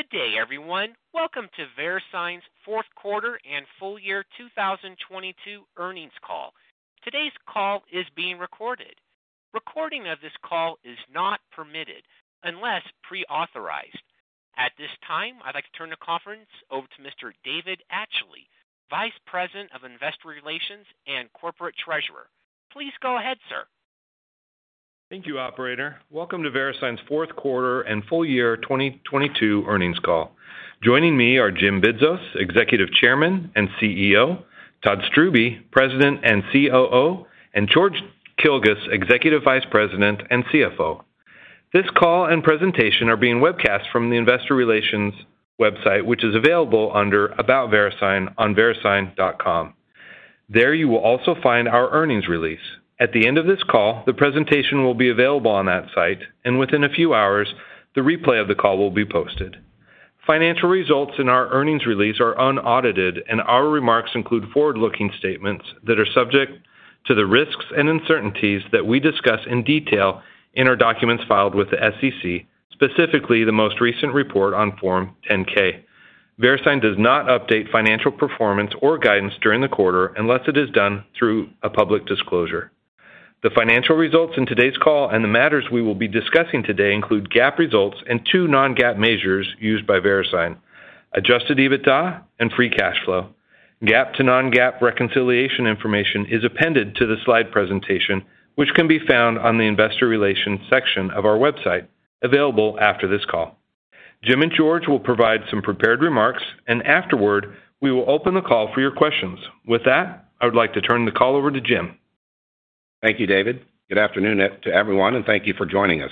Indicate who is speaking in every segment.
Speaker 1: Good day, everyone. Welcome to VeriSign's fourth quarter and full year 2022 earnings call. Today's call is being recorded. Recording of this call is not permitted unless pre-authorized. At this time, I'd like to turn the conference over to Mr. David Atchley, Vice President, Investor Relations and Corporate Treasurer. Please go ahead, sir.
Speaker 2: Thank you, operator. Welcome to VeriSign's fourth quarter and full year 2022 earnings call. Joining me are Jim Bidzos, Executive Chairman and CEO; Todd Strubbe, President and COO; and George Kilguss, Executive Vice President and CFO. This call and presentation are being webcast from the Investor Relations website, which is available under About VeriSign on verisign.com. There you will also find our earnings release. At the end of this call, the presentation will be available on that site. Within a few hours, the replay of the call will be posted. Financial results in our earnings release are unaudited. Our remarks include forward-looking statements that are subject to the risks and uncertainties that we discuss in detail in our documents filed with the SEC, specifically the most recent report on Form 10-K. VeriSign does not update financial performance or guidance during the quarter unless it is done through a public disclosure. The financial results in today's call and the matters we will be discussing today include GAAP results and two non-GAAP measures used by VeriSign, adjusted EBITDA and free cash flow. GAAP to non-GAAP reconciliation information is appended to the slide presentation, which can be found on the Investor Relations section of our website, available after this call. Jim and George will provide some prepared remarks, and afterward, we will open the call for your questions. With that, I would like to turn the call over to Jim.
Speaker 3: Thank you, David. Good afternoon to everyone, and thank you for joining us.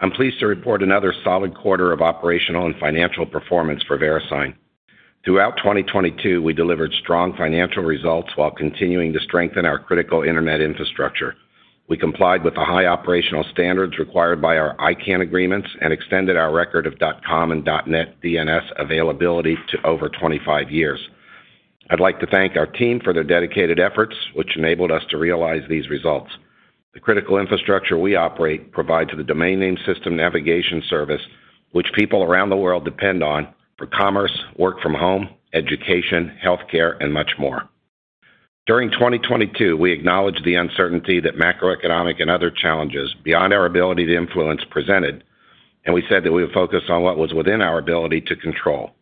Speaker 3: I'm pleased to report another solid quarter of operational and financial performance for VeriSign. Throughout 2022, we delivered strong financial results while continuing to strengthen our critical internet infrastructure. We complied with the high operational standards required by our ICANN agreements and extended our record of .com and .net DNS availability to over 25 years. I'd like to thank our team for their dedicated efforts, which enabled us to realize these results. The critical infrastructure we operate provides the domain name system navigation service, which people around the world depend on for commerce, work from home, education, healthcare, and much more. During 2022, we acknowledged the uncertainty that macroeconomic and other challenges beyond our ability to influence presented, and we said that we would focus on what was within our ability to control.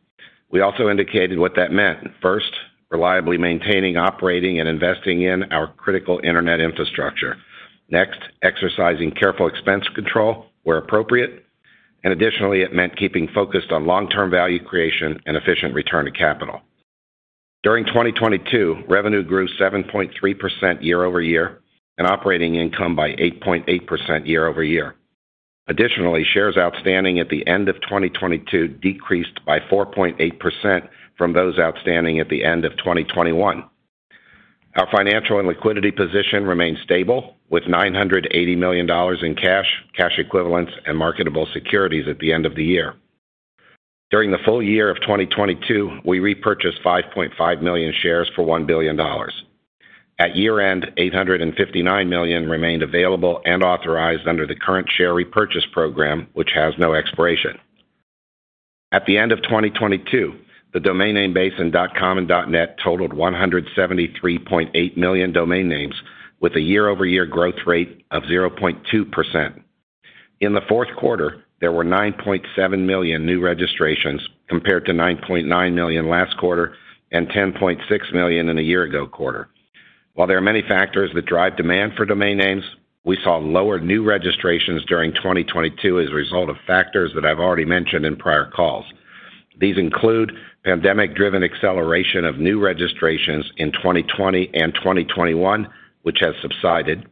Speaker 3: We also indicated what that meant. First, reliably maintaining, operating, and investing in our critical internet infrastructure. Next, exercising careful expense control, where appropriate. Additionally, it meant keeping focused on long-term value creation and efficient return of capital. During 2022, revenue grew 7.3% year-over-year and operating income by 8.8% year-over-year. Additionally, shares outstanding at the end of 2022 decreased by 4.8% from those outstanding at the end of 2021. Our financial and liquidity position remains stable, with $980 million in cash equivalents, and marketable securities at the end of the year. During the full year of 2022, we repurchased 5.5 million shares for $1 billion. At year-end, $859 million remained available and authorized under the current share repurchase program, which has no expiration. At the end of 2022, the domain name base in .com and .net totaled 173.8 million domain names, with a year-over-year growth rate of 0.2%. In the fourth quarter, there were 9.7 million new registrations compared to 9.9 million last quarter and 10.6 million in a year-ago quarter. While there are many factors that drive demand for domain names, we saw lower new registrations during 2022 as a result of factors that I've already mentioned in prior calls. These include pandemic-driven acceleration of new registrations in 2020 and 2021, which has subsided,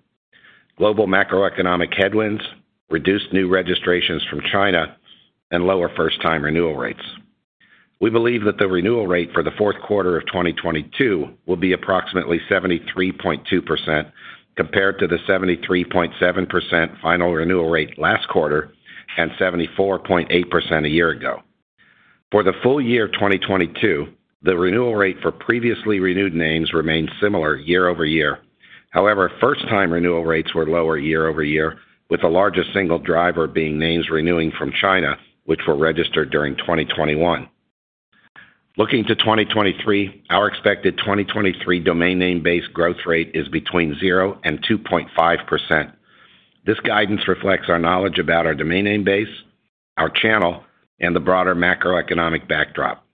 Speaker 3: global macroeconomic headwinds, reduced new registrations from China, and lower first-time renewal rates. We believe that the renewal rate for the fourth quarter of 2022 will be approximately 73.2% compared to the 73.7% final renewal rate last quarter and 74.8% a year ago. For the full year of 2022, the renewal rate for previously renewed names remained similar year-over-year. However, first-time renewal rates were lower year-over-year, with the largest single driver being names renewing from China, which were registered during 2021. Looking to 2023, our expected 2023 domain name base growth rate is between 0% and 2.5%. This guidance reflects our knowledge about our domain name base, our channel, and the broader macroeconomic backdrop.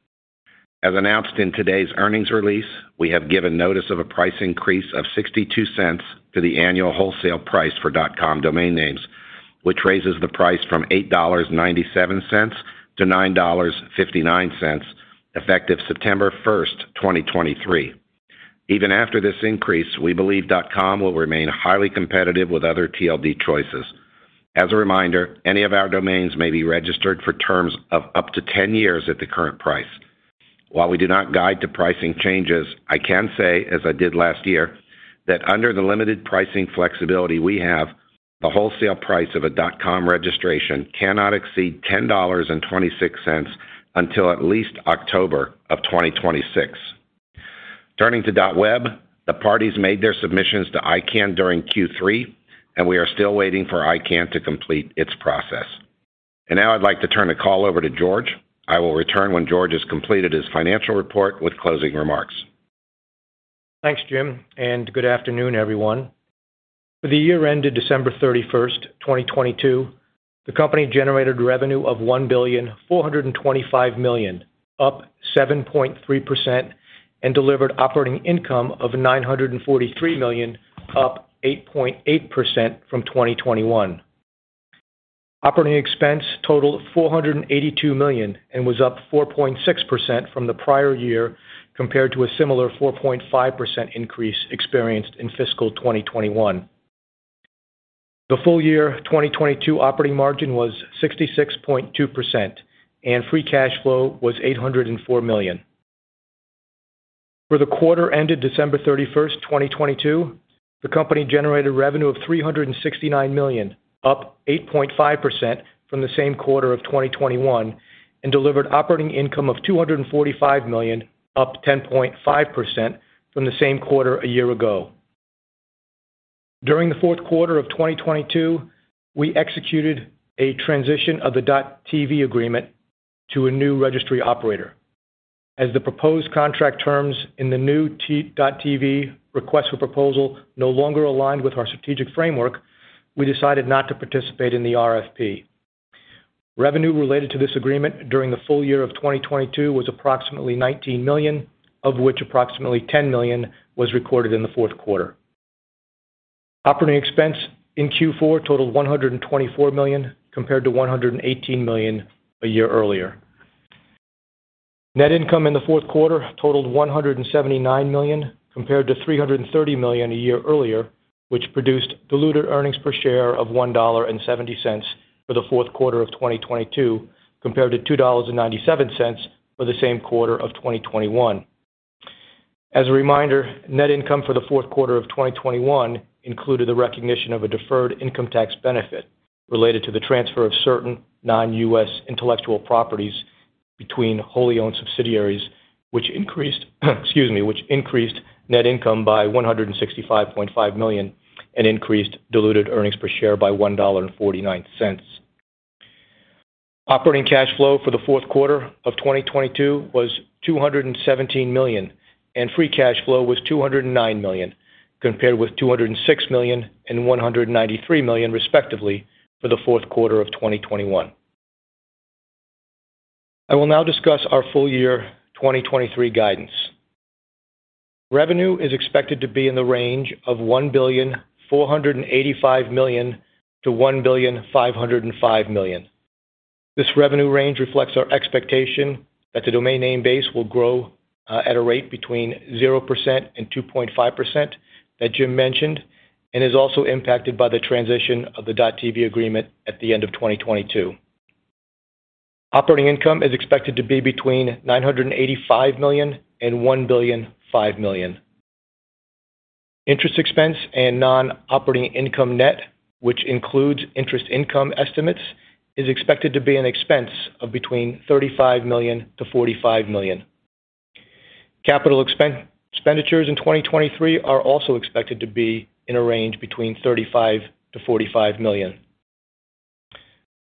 Speaker 3: As announced in today's earnings release, we have given notice of a price increase of $0.62 to the annual wholesale price for .com domain names, which raises the price from $8.97 to $9.59, effective September 1st, 2023. Even after this increase, we believe .com will remain highly competitive with other TLD choices. As a reminder, any of our domains may be registered for terms of up to 10 years at the current price. While we do not guide to pricing changes, I can say, as I did last year, that under the limited pricing flexibility we have, the wholesale price of a .com registration cannot exceed $10.26 until at least October of 2026. Turning to .web, the parties made their submissions to ICANN during Q3, and we are still waiting for ICANN to complete its process. Now I'd like to turn the call over to George. I will return when George has completed his financial report with closing remarks.
Speaker 4: Thanks, Jim, and good afternoon, everyone. For the year ended December 31, 2022, the company generated revenue of $1.425 billion, up 7.3%, and delivered operating income of $943 million, up 8.8% from 2021. Operating expense totaled $482 million and was up 4.6% from the prior year compared to a similar 4.5% increase experienced in fiscal 2021. The full year 2022 operating margin was 66.2%, and free cash flow was $804 million. For the quarter ended December 31, 2022, the company generated revenue of $369 million, up 8.5% from the same quarter of 2021, and delivered operating income of $245 million, up 10.5% from the same quarter a year ago. During the fourth quarter of 2022, we executed a transition of the .tv agreement to a new registry operator. As the proposed contract terms in the new .tv request for proposal no longer aligned with our strategic framework, we decided not to participate in the RFP. Revenue related to this agreement during the full year of 2022 was approximately $19 million, of which approximately $10 million was recorded in the fourth quarter. Operating expense in Q4 totaled $124 million compared to $118 million a year earlier. Net income in the fourth quarter totaled $179 million compared to $330 million a year earlier, which produced diluted earnings per share of $1.70 for the fourth quarter of 2022 compared to $2.97 for the same quarter of 2021. As a reminder, net income for the fourth quarter of 2021 included the recognition of a deferred income tax benefit related to the transfer of certain non-U.S. intellectual properties between wholly owned subsidiaries, which increased, excuse me, which increased net income by $165.5 million and increased diluted earnings per share by $1.49. Operating cash flow for the fourth quarter of 2022 was $217 million, and free cash flow was $209 million, compared with $206 million and $193 million, respectively, for the fourth quarter of 2021. I will now discuss our full year 2023 guidance. Revenue is expected to be in the range of $1.485 billion-$1.505 billion. This revenue range reflects our expectation that the domain name base will grow at a rate between 0% and 2.5% that Jim mentioned, and is also impacted by the transition of the .tv agreement at the end of 2022. Operating income is expected to be between $985 million and $1.005 billion. Interest expense and non-operating income net, which includes interest income estimates, is expected to be an expense of between $35 million-$45 million. Capital expenditures in 2023 are also expected to be in a range between $35 million-$45 million.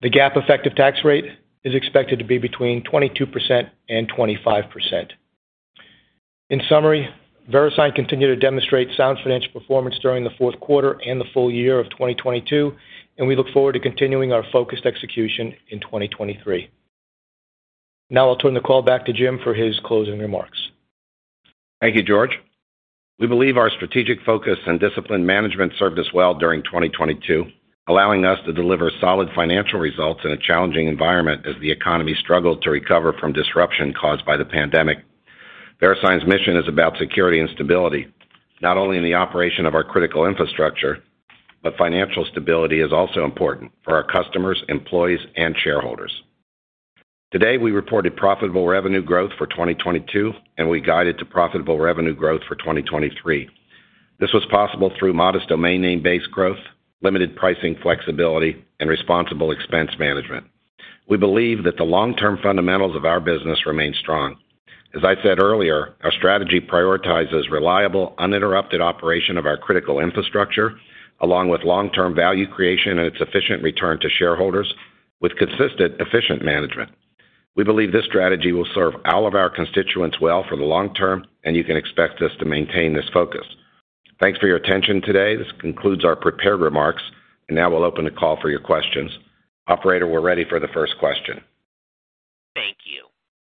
Speaker 4: The GAAP effective tax rate is expected to be between 22% and 25%. In summary, VeriSign continued to demonstrate sound financial performance during the fourth quarter and the full year of 2022, and we look forward to continuing our focused execution in 2023. Now I'll turn the call back to Jim for his closing remarks.
Speaker 3: Thank you, George. We believe our strategic focus and disciplined management served us well during 2022, allowing us to deliver solid financial results in a challenging environment as the economy struggled to recover from disruption caused by the pandemic. VeriSign's mission is about security and stability, not only in the operation of our critical infrastructure. Financial stability is also important for our customers, employees, and shareholders. Today, we reported profitable revenue growth for 2022. We guided to profitable revenue growth for 2023. This was possible through modest domain name base growth, limited pricing flexibility, and responsible expense management. We believe that the long-term fundamentals of our business remain strong. As I said earlier, our strategy prioritizes reliable, uninterrupted operation of our critical infrastructure, along with long-term value creation and its efficient return to shareholders with consistent, efficient management. We believe this strategy will serve all of our constituents well for the long term, and you can expect us to maintain this focus. Thanks for your attention today. This concludes our prepared remarks, and now we'll open the call for your questions. Operator, we're ready for the first question.
Speaker 1: Thank you.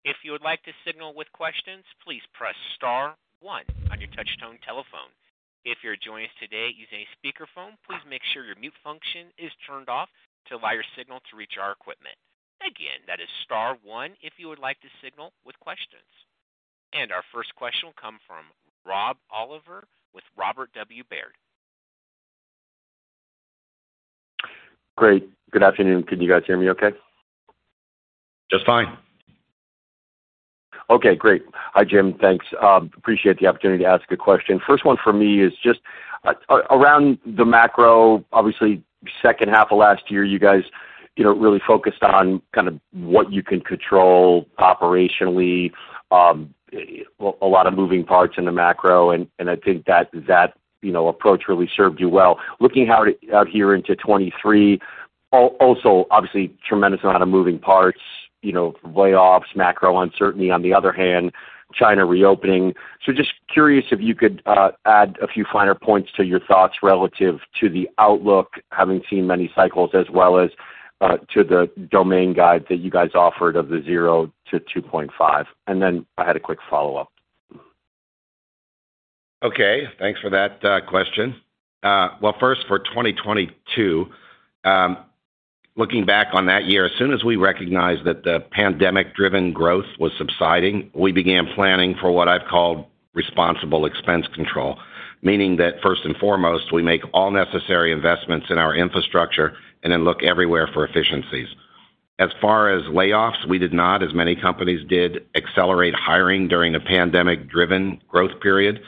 Speaker 1: If you would like to signal with questions, please press star one on your touch-tone telephone. If you're joining us today using a speakerphone, please make sure your mute function is turned off to allow your signal to reach our equipment. Again, that is star one if you would like to signal with questions. Our first question will come from Rob Oliver with Robert W. Baird.
Speaker 5: Great. Good afternoon. Can you guys hear me okay?
Speaker 3: Just fine.
Speaker 5: Okay, great. Hi, Jim. Thanks. Appreciate the opportunity to ask a question. First one for me is just around the macro. Obviously, second half of last year, you guys, you know, really focused on kind of what you can control operationally. A lot of moving parts in the macro, and I think that, you know, approach really served you well. Looking out here into 2023, also obviously tremendous amount of moving parts, you know, layoffs, macro uncertainty, on the other hand, China reopening. Just curious if you could add a few finer points to your thoughts relative to the outlook, having seen many cycles as well as to the domain guide that you guys offered of the 0%-2.5%. Then I had a quick follow-up.
Speaker 3: Thanks for that question. Well, first for 2022, looking back on that year, as soon as we recognized that the pandemic-driven growth was subsiding, we began planning for what I've called responsible expense control. Meaning, that first and foremost, we make all necessary investments in our infrastructure and then look everywhere for efficiencies. As far as layoffs, we did not, as many companies did, accelerate hiring during the pandemic-driven growth period.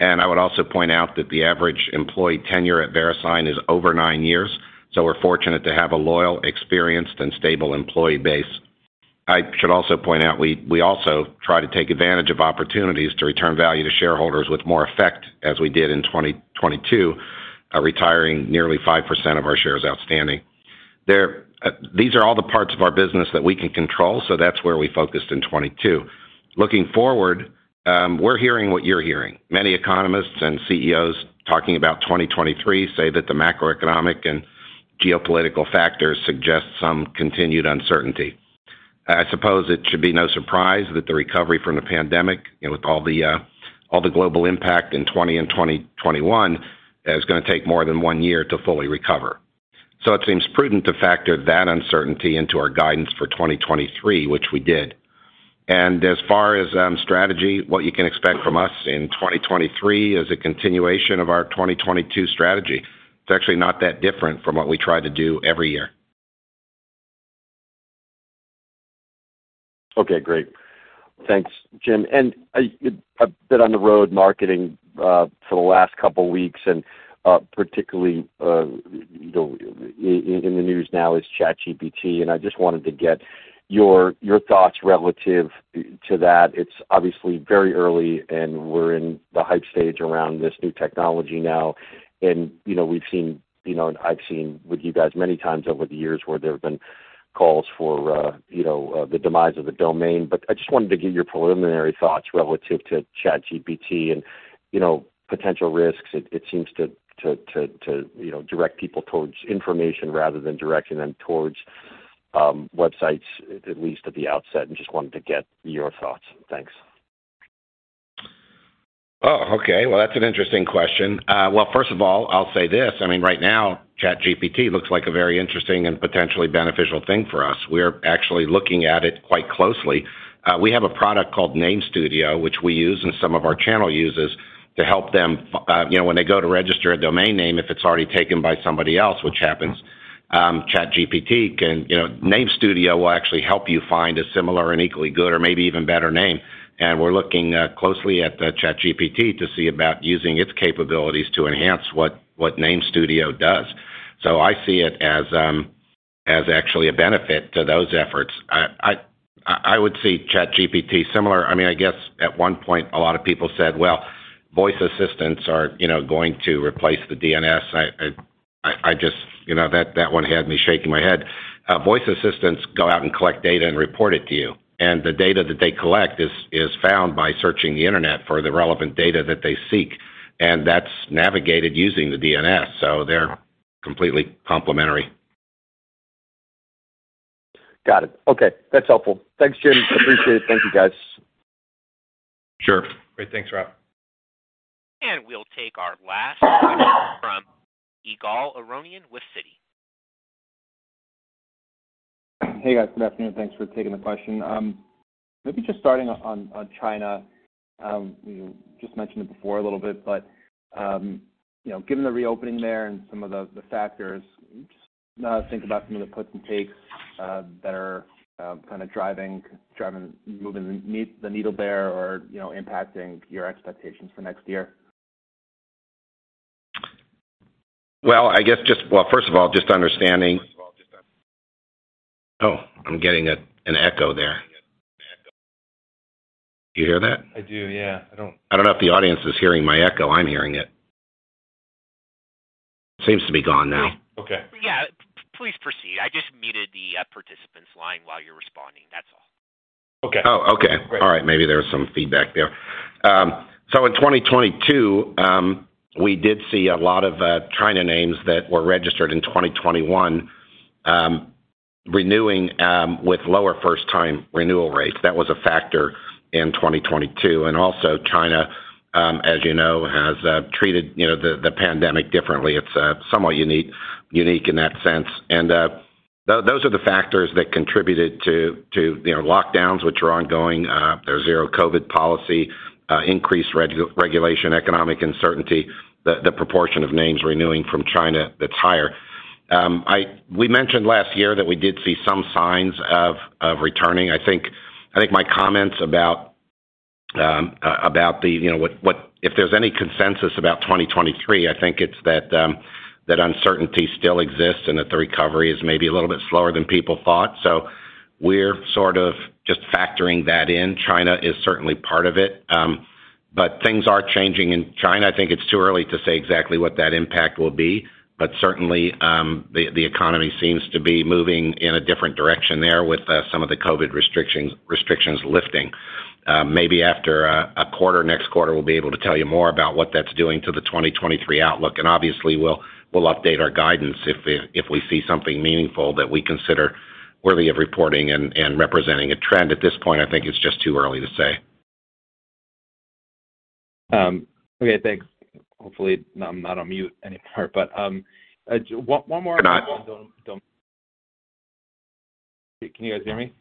Speaker 3: I would also point out that the average employee tenure at VeriSign is over nine years. We're fortunate to have a loyal, experienced, and stable employee base. I should also point out we also try to take advantage of opportunities to return value to shareholders with more effect as we did in 2022, retiring nearly 5% of our shares outstanding. These are all the parts of our business that we can control, so that's where we focused in 2022. Looking forward, we're hearing what you're hearing. Many economists and CEOs talking about 2023 say that the macroeconomic and geopolitical factors suggest some continued uncertainty. I suppose it should be no surprise that the recovery from the pandemic, you know, with all the global impact in 2020 and 2021, is gonna take more than one year to fully recover. It seems prudent to factor that uncertainty into our guidance for 2023, which we did. As far as strategy, what you can expect from us in 2023 is a continuation of our 2022 strategy. It's actually not that different from what we try to do every year.
Speaker 5: Okay, great. Thanks, Jim. I've been on the road marketing for the last couple weeks, particularly, you know, in the news now is ChatGPT. I just wanted to get your thoughts relative to that. It's obviously very early. We're in the hype stage around this new technology now. You know, we've seen, you know, and I've seen with you guys many times over the years where there have been calls for, you know, the demise of the domain. I just wanted to get your preliminary thoughts relative to ChatGPT and, you know, potential risks. It seems to direct people towards information rather than directing them towards websites, at least at the outset. I just wanted to get your thoughts. Thanks.
Speaker 3: Oh, okay. Well, that's an interesting question. Well, first of all, I'll say this, I mean, right now, ChatGPT looks like a very interesting and potentially beneficial thing for us. We're actually looking at it quite closely. We have a product called NameStudio, which we use and some of our channel uses to help them, you know, when they go to register a domain name, if it's already taken by somebody else, which happens. You know, NameStudio will actually help you find a similar and equally good or maybe even better name. We're looking closely at the ChatGPT to see about using its capabilities to enhance what NameStudio does. I see it as actually a benefit to those efforts. I would see ChatGPT similar, I mean, I guess at one point, a lot of people said, well, voice assistants are, you know, going to replace the DNS. I just, you know, that one had me shaking my head. Voice assistants go out and collect data and report it to you. The data that they collect is found by searching the internet for the relevant data that they seek. That's navigated using the DNS. They're completely complementary.
Speaker 5: Got it. Okay. That's helpful. Thanks, Jim. Appreciate it. Thank you, guys.
Speaker 3: Sure. Great. Thanks, Rob.
Speaker 1: We'll take our last question from Ygal Arounian with Citi.
Speaker 6: Hey, guys. Good afternoon. Thanks for taking the question. Maybe just starting off on China. You just mentioned it before a little bit, but, you know, given the reopening there and some of the factors, just think about some of the puts and takes that are kinda driving the needle there or, you know, impacting your expectations for next year?
Speaker 3: Well, I guess first of all, just understanding... Oh, I'm getting an echo there. Do you hear that?
Speaker 6: I do, yeah.
Speaker 3: I don't know if the audience is hearing my echo. I'm hearing it. Seems to be gone now.
Speaker 6: Okay.
Speaker 1: Yeah. Please proceed. I just muted the participant's line while you were responding. That's all.
Speaker 3: Okay. Oh, okay. All right. Maybe there was some feedback there. So in 2022, we did see a lot of China names that were registered in 2021, renewing with lower first-time renewal rates. That was a factor in 2022. China, as you know, has treated, you know, the pandemic differently. It's somewhat unique in that sense. Those are the factors that contributed to, you know, lockdowns, which are ongoing, their zero-COVID policy, increased regulation, economic uncertainty, the proportion of names renewing from China that's higher. We mentioned last year that we did see some signs of returning. I think my comments about the, you know, what if there's any consensus about 2023, I think it's that uncertainty still exists and that the recovery is maybe a little bit slower than people thought. We're sort of just factoring that in. China is certainly part of it. Things are changing in China. I think it's too early to say exactly what that impact will be. Certainly, the economy seems to be moving in a different direction there with some of the COVID restrictions lifting. Maybe after a quarter, next quarter, we'll be able to tell you more about what that's doing to the 2023 outlook. Obviously, we'll update our guidance if we see something meaningful that we consider worthy of reporting and representing a trend. At this point, I think it's just too early to say.
Speaker 6: Okay. Thanks. Hopefully I'm not on mute anymore, but, one more.
Speaker 3: You're not.
Speaker 6: Can you guys hear me?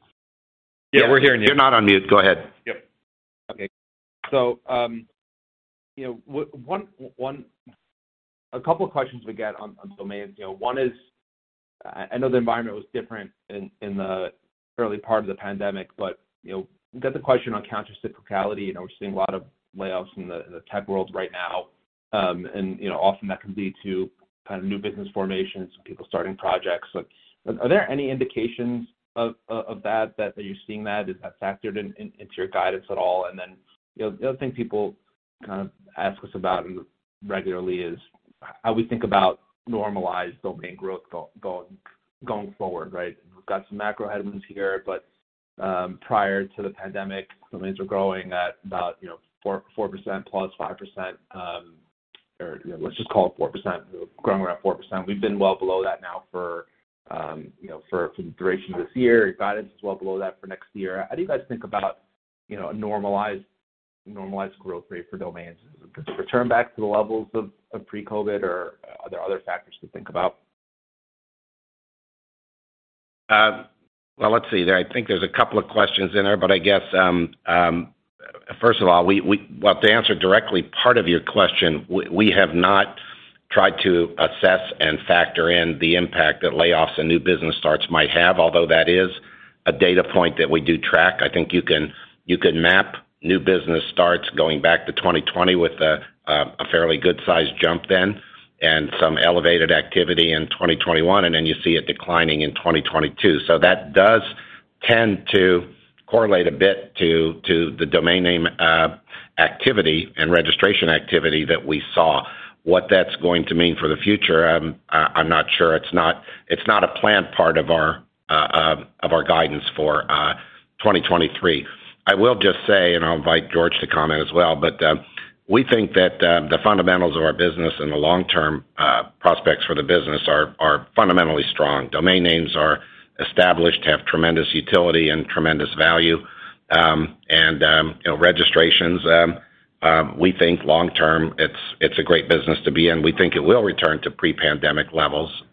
Speaker 3: Yeah, we're hearing you. You're not on mute. Go ahead.
Speaker 6: Yep. Okay. You know, one... A couple of questions we get on domains. You know, one is, I know the environment was different in the early part of the pandemic, but, you know, we got the question on counter cyclicality, you know, we're seeing a lot of layoffs in the tech world right now. You know, often that can lead to kind of new business formations, people starting projects. Are there any indications of that you're seeing that? Is that factored into your guidance at all? You know, the other thing people kind of ask us about regularly is how we think about normalized domain growth going forward, right? We've got some macro headwinds here, but prior to the pandemic, domains were growing at about, you know, 4% +5%, or let's just call it 4%. Growing around 4%. We've been well below that now for, you know, for the duration of this year. Guidance is well below that for next year. How do you guys think about, you know, a normalized growth rate for domains? Does it return back to the levels of pre-COVID or are there other factors to think about?
Speaker 3: Well, let's see. I think there's a couple of questions in there, but I guess, first of all, well to answer directly part of your question, we have not tried to assess and factor in the impact that layoffs and new business starts might have, although that is a data point that we do track. I think you can, you can map new business starts going back to 2020 with a fairly good size jump then and some elevated activity in 2021, and then you see it declining in 2022. That does tend to correlate a bit to the domain name activity and registration activity that we saw. What that's going to mean for the future, I'm not sure. It's not a planned part of our guidance for 2023. I will just say, I'll invite George to comment as well, we think that the fundamentals of our business and the long-term prospects for the business are fundamentally strong. Domain names are established, have tremendous utility and tremendous value, and, you know, registrations, we think long term, it's a great business to be in. We think it will return to pre-pandemic levels,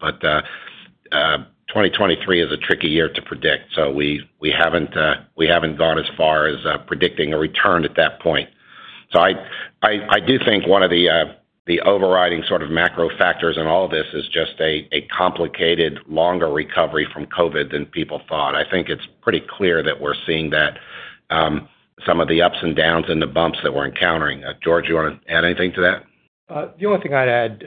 Speaker 3: 2023 is a tricky year to predict, we haven't gone as far as predicting a return at that point. I do think one of the overriding sort of macro factors in all of this is just a complicated, longer recovery from COVID than people thought. I think it's pretty clear that we're seeing that, some of the ups and downs and the bumps that we're encountering. George, you wanna add anything to that?
Speaker 4: The only thing I'd add,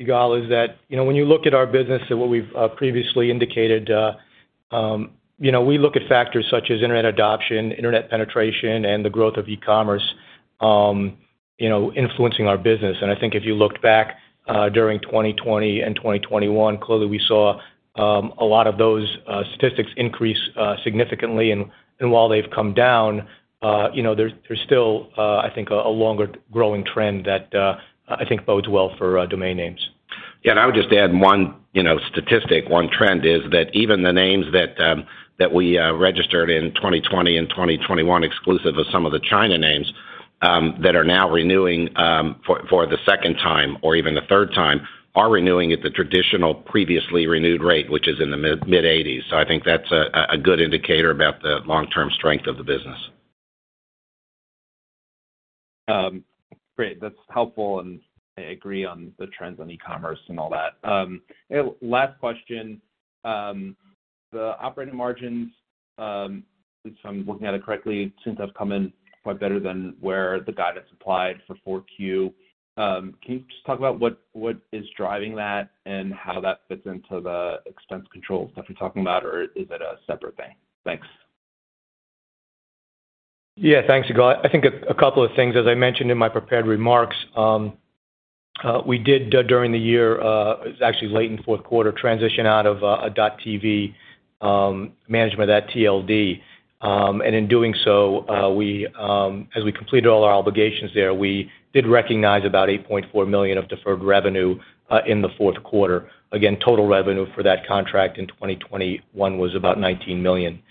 Speaker 4: Ygal, is that, you know, when you look at our business and what we've previously indicated, you know, we look at factors such as internet adoption, internet penetration, and the growth of e-commerce, you know, influencing our business. I think if you looked back during 2020 and 2021, clearly we saw a lot of those statistics increase significantly. While they've come down, you know, there's still I think a longer growing trend that I think bodes well for domain names.
Speaker 3: Yeah. I would just add one, you know, statistic. One trend is that even the names that we, registered in 2020 and 2021, exclusive of some of the China names, that are now renewing, for the second time or even the third time, are renewing at the traditional previously renewed rate, which is in the mid-80s. I think that's a good indicator about the long-term strength of the business.
Speaker 6: Great. That's helpful, and I agree on the trends on e-commerce and all that. Last question. The operating margins, if I'm looking at it correctly, seems to have come in quite better than where the guidance applied for 4Q. Can you just talk about what is driving that and how that fits into the expense control stuff you're talking about, or is it a separate thing? Thanks.
Speaker 4: Thanks, Ygal. I think a couple of things. As I mentioned in my prepared remarks, we did during the year, actually late in fourth quarter, transition out of a .tv management of that TLD. In doing so, as we completed all our obligations there, we did recognize about $8.4 million of deferred revenue in the fourth quarter. Again, total revenue for that contract in 2021 was about $19 million.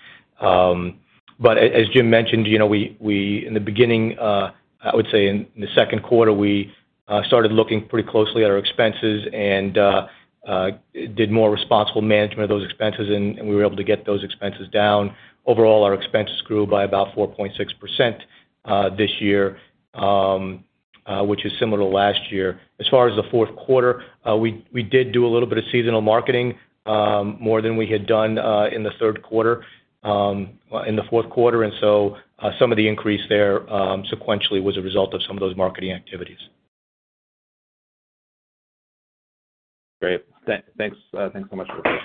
Speaker 4: As Jim mentioned, you know, we, in the beginning, I would say in the second quarter, we started looking pretty closely at our expenses and did more responsible management of those expenses, and we were able to get those expenses down. Overall, our expenses grew by about 4.6% this year, which is similar to last year. As far as the fourth quarter, we did do a little bit of seasonal marketing, more than we had done in the third quarter in the fourth quarter, some of the increase there sequentially was a result of some of those marketing activities.
Speaker 6: Great, thanks. Thanks so much for that.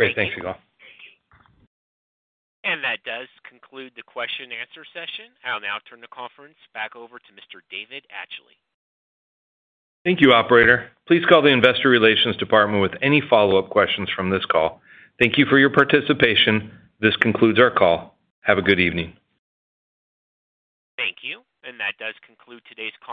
Speaker 4: Great. Thanks, Ygal.
Speaker 1: That does conclude the question and answer session. I'll now turn the conference back over to Mr. David Atchley.
Speaker 2: Thank you, operator. Please call the Investor relations department with any follow-up questions from this call. Thank you for your participation. This concludes our call. Have a good evening.
Speaker 1: Thank you. That does conclude today's conference.